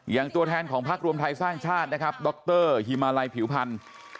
ตัวแทนของพักรวมไทยสร้างชาตินะครับดรฮิมาลัยผิวพันธ์